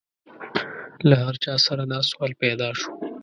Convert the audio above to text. له هر چا سره دا سوال پیدا شو.